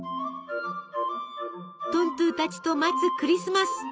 トントゥたちと待つクリスマス。